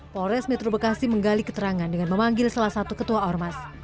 polres metro bekasi menggali keterangan dengan memanggil salah satu ketua ormas